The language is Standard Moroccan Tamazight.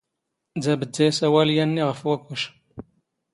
ⴷⴰ ⴱⴷⴷⴰ ⵉⵙⴰⵡⴰⵍ ⵢⴰⵏⵏⵉ ⵖⴼ ⵡⴰⴽⵓⵛ.